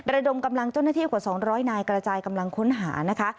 ระดมกำลังเจ้าหน้าที่กว่า๒๐๐นายกระจายกำลังค้นหานะคะ